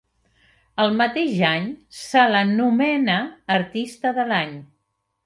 El mateix any, se la nomena Artista de l'Any.